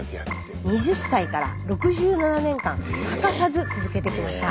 ２０歳から６７年間欠かさず続けてきました。